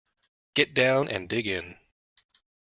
Get down and dig in.